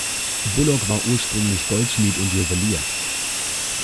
Bullock war ursprünglich Goldschmied und Juwelier.